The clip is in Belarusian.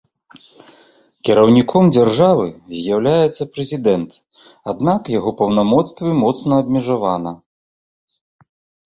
Кіраўніком дзяржавы з'яўляецца прэзідэнт, аднак яго паўнамоцтвы моцна абмежавана.